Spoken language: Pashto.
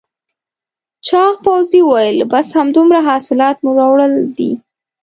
چاغ پوځي وویل بس همدومره حاصلات مو راوړل دي؟